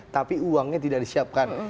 tapi uangnya tidak disiapkan